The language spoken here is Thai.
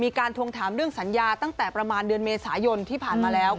ทวงถามเรื่องสัญญาตั้งแต่ประมาณเดือนเมษายนที่ผ่านมาแล้ว